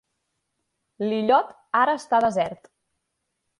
L'illot ara està desert.